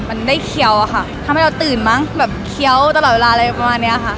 มันได้เคี้ยวอะค่ะทำให้เราตื่นมั้งแบบเคี้ยวตลอดเวลาอะไรประมาณเนี้ยค่ะ